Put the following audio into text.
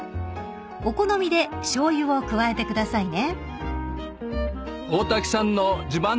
［お好みでしょうゆを加えてくださいね］